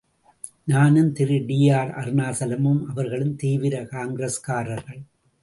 நானும் திரு டி.ஆர்.அருணாசலம் அவர்களும் தீவிர காங்கிரஸ்காரர்கள்.